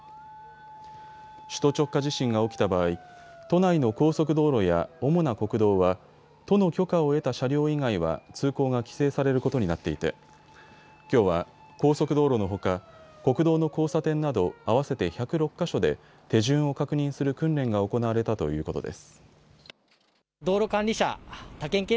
首都直下地震が起きた場合、都内の高速道路や主な国道は都の許可を得た車両以外は通行が規制されることになっていてきょうは高速道路のほか国道の交差点など合わせて１０６か所で手順を確認する訓練が行われたということです。